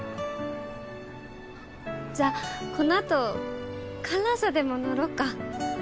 じゃあこのあと観覧車でも乗ろうか？